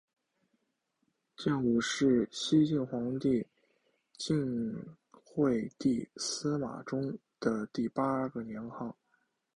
建武是西晋皇帝晋惠帝司马衷的第八个年号。